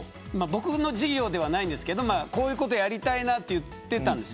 僕の事業ではないんですけどこういうことをやりたいなと言っていたんです。